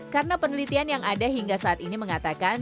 karena penelitian yang ada hingga saat ini mengatakan